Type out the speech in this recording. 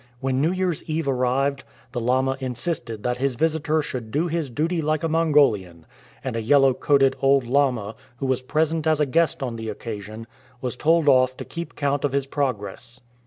When New Year's Eve arrived, the lama insisted that his visitor should do his duty like a Mongolian, and a yellow coated old lama, who was present as a guest on the occasion, was told off to keep count of his progress.